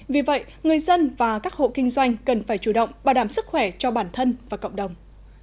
vì vậy người dân và các hộ kinh doanh cần phải chủ động bảo đảm sức khỏe cho bản thân và cộng đồng